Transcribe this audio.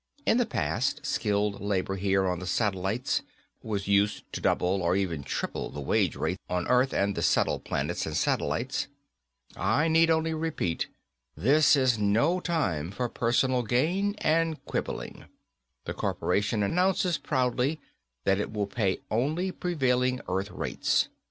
In the past, skilled labor here on the satellites was used to double or even triple the wage rates on Earth and the settled planets and satellites. I need only repeat, this is no time for personal gain and quibbling. The corporation announces proudly that it will pay only prevailing Earth rates.